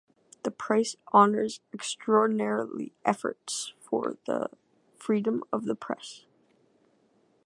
The price honors extraordinary efforts for the freedom of the press.